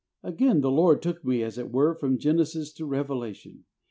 Again the Lord took me, as it were, from Genesis to Revela tion.